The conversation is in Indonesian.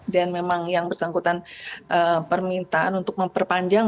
dan memang yang bersangkutan permintaan untuk memperpanjang